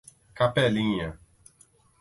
Capelinha